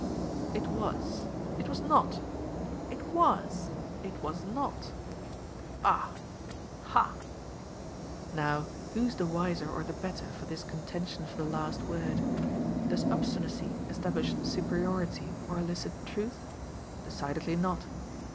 "It was!" "It was not!" "It was!" "It was not!" "Ah!" "Ha!" Now who's the wiser or the better for this contention for the last word? Does obstinacy establish superiority or elicit truth? Decidedly not!